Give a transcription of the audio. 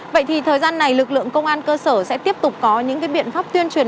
vậy thì thời gian này lực lượng công an cơ sở sẽ tiếp tục có những biện pháp tuyên truyền